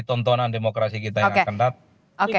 tontonan demokrasi kita yang akan datang